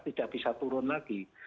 tidak bisa turun lagi